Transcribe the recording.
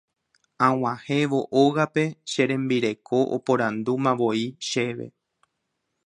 Ag̃uahẽvo ógape che rembireko oporandumavoi chéve.